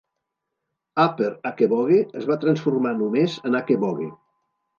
Upper Aquebogue es va transformar només en Aquebogue.